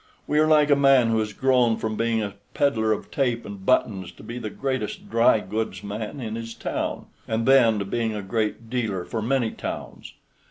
"We are like a man who has grown from being a peddler of tape and buttons to be the greatest dry goods man in his town, and then to being a great dealer for many towns.